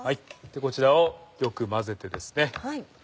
こちらをよく混ぜてですね